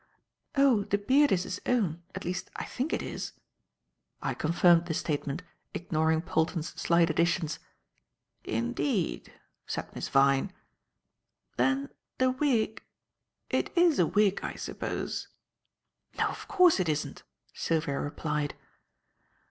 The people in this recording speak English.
"Oh, the beard is his own; at least, I think it is." I confirmed this statement, ignoring Polton's slight additions. "Indeed," said Miss Vyne. "Then the wig it is a wig, I suppose?" "No, of course it isn't," Sylvia replied.